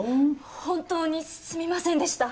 本当にすみませんでした。